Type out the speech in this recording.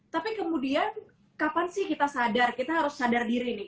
tapi kemudian kapan sih kita sadar kita harus sadar diri nih